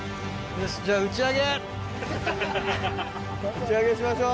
打ち上げしましょう。